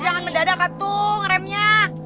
jangan mendadak katung remnya